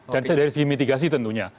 dan dari sisi mitigasi tentunya